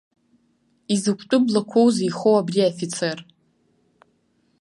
Изакәтәы блақәоузеи ихоу абри афицер.